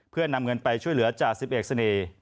เพื่อนำเงินไปช่วยเหลือจ่า๑๑ศนีย์